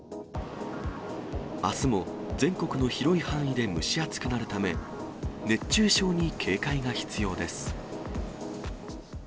あすも全国の広い範囲で蒸し暑くなるため、熱中症に警戒が必要です。